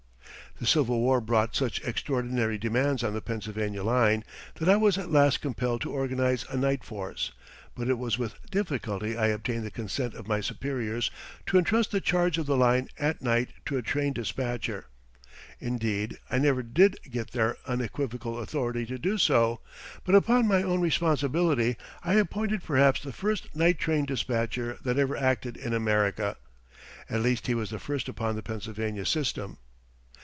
The Civil War brought such extraordinary demands on the Pennsylvania line that I was at last compelled to organize a night force; but it was with difficulty I obtained the consent of my superiors to entrust the charge of the line at night to a train dispatcher. Indeed, I never did get their unequivocal authority to do so, but upon my own responsibility I appointed perhaps the first night train dispatcher that ever acted in America at least he was the first upon the Pennsylvania system.